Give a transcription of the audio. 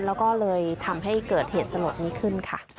แล้วก็เลยทำให้เกิดเหตุสลดนี้ขึ้นค่ะ